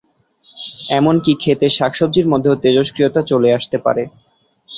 এমনকি ক্ষেতের শাকসবজির মধ্যেও তেজস্ক্রিয়তা চলে আসতে পারে।